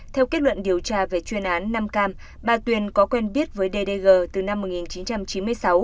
theo kết luận điều tra về chuyên án năm cam bà tuyền có quen biết với ddg từ năm một nghìn chín trăm chín mươi sáu